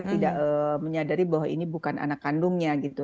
tidak menyadari bahwa ini bukan anak kandungnya gitu